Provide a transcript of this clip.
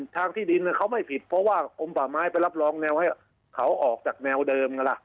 ที่ดินเขาไม่ผิดเพราะว่ากลมป่าไม้ไปรับรองแนวให้เขาออกจากแนวเดิมไงล่ะ